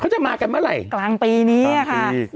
จะมากันเมื่อไหร่กลางปีนี้ค่ะ